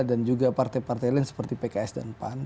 dan juga partai partai lain seperti pks dan pan